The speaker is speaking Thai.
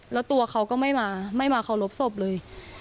แล้วตัวเขาก็ไม่มาไม่มาเคารพศพเลย